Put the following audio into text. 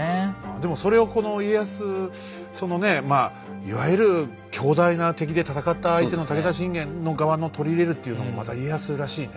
でもそれをこの家康そのねまあいわゆる強大な敵で戦った相手の武田信玄の側の取り入れるっていうのもまた家康らしいね。